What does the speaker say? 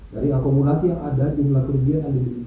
dari akumulasi yang ada jumlah kerugian yang diduduki